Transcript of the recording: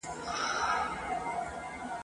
زما آواز که در رسیږي ..